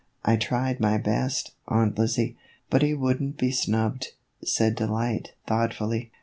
" I tried my best, Aunt Lizzie, but he would n't be snubbed," said Delight, thoughtfully.